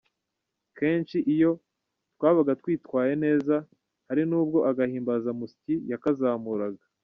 Kenshi iyo twabaga twitwaye neza hari nubwo agahimbazamusyi yakazamuraga.